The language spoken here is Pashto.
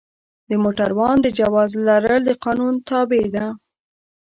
د موټروان د جواز لرل د قانون تابع ده.